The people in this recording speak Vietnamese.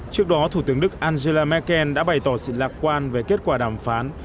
trước đó thủ tướng đức angela merkel đã bày tỏ sự lạc quan về kết quả đàm phán